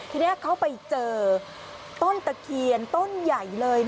ทีนี้เขาไปเจอต้นตะเคียนต้นใหญ่เลย